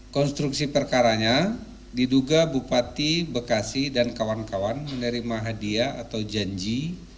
konstruksi perkaranya diduga bupati bekasi dan kawan kawan menerima hadiah atau janji